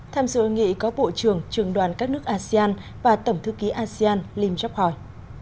tham dự hội nghị có bộ trưởng trường đoàn các nước asean và tổng thư ký asean linh tróc hỏi